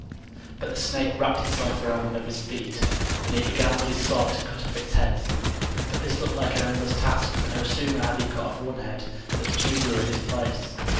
But the snake wrapped itself around one of his feet. Then he began with his sword to cut off its heads. But this looked like an endless task, for no sooner had he cut off one head than two grew in its place.